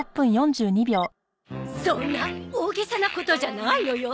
そんな大げさなことじゃないのよ。